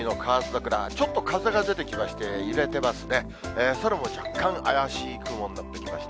空も若干怪しい雲になってきました。